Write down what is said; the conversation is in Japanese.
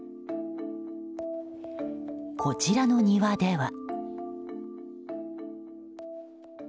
こちらの庭では。